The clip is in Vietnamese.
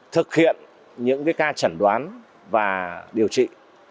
thực hiện những ca trẩn đoán và điều trị